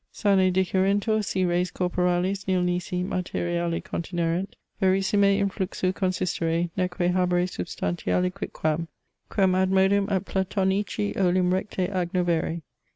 "Sane dicerentur si res corporales nil nisi materiale continerent, verissime in fluxu consistere, neque habere substantiale quicquam, quemadmodum et Platonici olim recte agnovere."